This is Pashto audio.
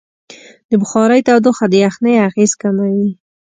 د بخارۍ تودوخه د یخنۍ اغېز کموي.